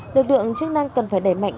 đối tượng chức năng cần phải đẩy mạnh